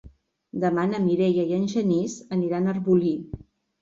Demà na Mireia i en Genís aniran a Arbolí.